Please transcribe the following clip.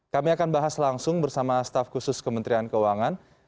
kami akan bahas langsung bersama staf khusus kementerian keuangan